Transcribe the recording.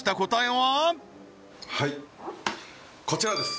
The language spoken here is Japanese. はいこちらです